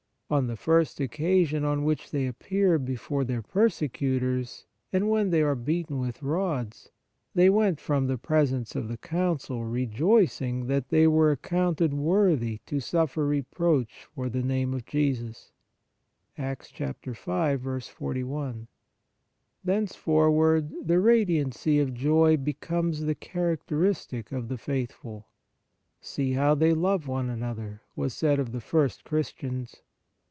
On the first occasion on which they appear before their persecutors, and when they are beaten with rods, " they went from the presence of the council rejoicing that they were accounted worthy to suffer reproach for the name of Jesus." || Thence forward, the radiancy of joy becomes the characteristic of the faithful. " See how they love one another !" was said of the first Christians.